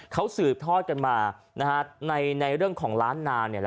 เขาสืบทอดกันมาในเรื่องของล้านนา